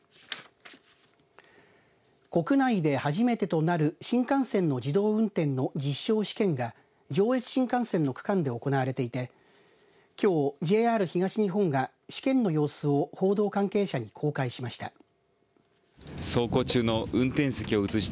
国内で初めてとなる新幹線の自動運転の実証試験が上越新幹線の区間で行われていてきょう、ＪＲ東日本が試験の様子を報道関係者に公開しました。